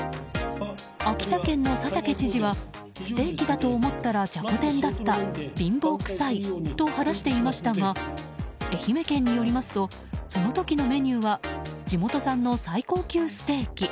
秋田県の佐竹知事はステーキだと思ったらじゃこ天だった貧乏くさいと話していましたが愛媛県によりますとその時のメニューは地元産の最高級ステーキ。